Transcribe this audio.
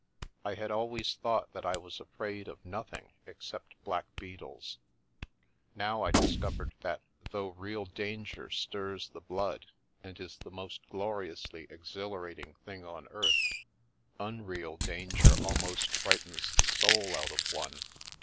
I had always thought that I was afraid of nothing except black beetles, now I discovered that though real danger stirs the blood and is the most gloriously exhilarating thing on earth, unreal danger almost frightens the soul out of one.